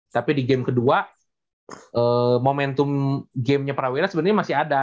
tapi di game kedua momentum gamenya prawena sebenarnya masih ada